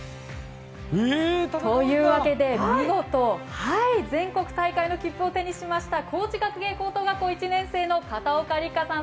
というわけで見事、全国大会の切符を手にしました高知学芸高等学校の片岡里香さん